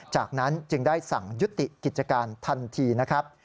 จากนั้นจึงได้สั่งยุติกิจการทันทีนะครับ